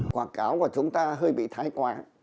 quảng cáo của chúng ta hơi bị thái quả